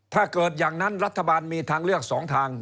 ถ้าเกิดอย่างนั้นรัฐบาลมีทางเลือก๒ทาง